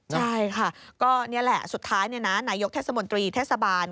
ใช่ค่ะก็นี่แหละสุดท้ายนายกเทศมนตรีเทศบาล